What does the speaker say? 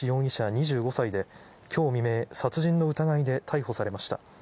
２５歳で、きょう未明、殺人の疑いで逮捕されました。